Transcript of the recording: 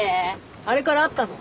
あれから会ったの？